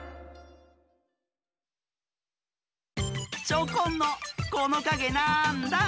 チョコンの「このかげなんだ？」